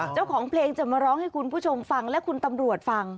เจ้าของเพลงจะมาร้องให้คุณผู้ชมฟังและคุณตำรวจฟัง